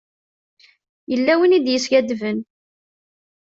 Yella win i d-yeskadben.